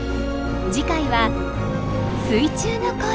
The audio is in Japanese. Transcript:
次回は「水中の恋」。